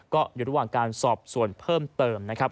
ก็อยู่ระหว่างการสอบส่วนเพิ่มเติมนะครับ